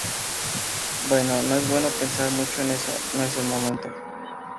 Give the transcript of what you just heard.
bueno, no es bueno pensar mucho en eso, no es el momento.